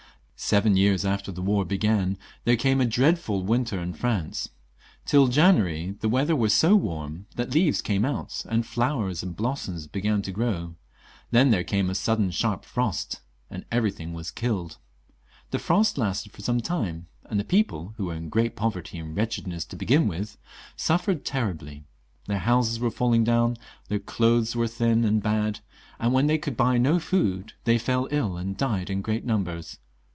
Seven years after the war began there came a dreadful winter in France ; tiU January the weather was so warm that leaves came out, and flowers and blossom began to grow, then there came a sudden .sharp frost, and everything was killed. The frost lasted for some time, and the people, who were in great poverty and wretchedness to begin with, suffered terribly ; their houses were falling down, their clothes were thin and bad, and when they could buy no food they fell ill and died in great numbers.